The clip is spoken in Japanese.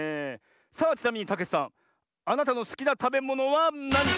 さあちなみにたけちさんあなたのすきなたべものはなに？